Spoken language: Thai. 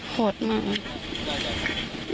ห่วดมากนะครับ